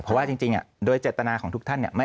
เพราะว่าจริงโดยเจตนาของทุกท่านเนี่ย